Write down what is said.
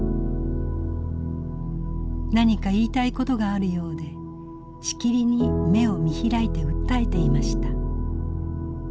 「何か言いたい事があるようでしきりに目を見開いて訴えていました。